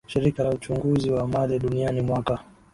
Shirika la uchunguzi wa mali duniani mwaka